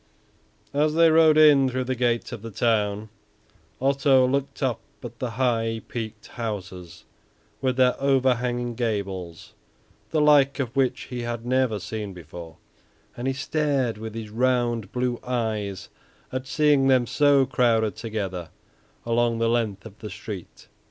As they rode in through the gates of the town, Otto looked up at the high peaked houses with their overhanging gables, the like of which he had never seen before, and he stared with his round blue eyes at seeing them so crowded together along the length of the street.